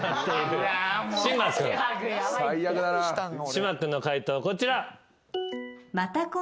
島君の解答こちら。